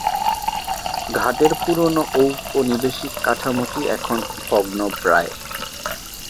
ঘাটের পুরনো ঔপনিবেশিক কাঠামোটি এখন ভগ্নপ্রায়।